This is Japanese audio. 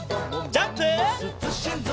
ジャンプ！